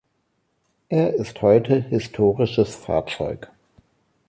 Er ist heute historisches Fahrzeug.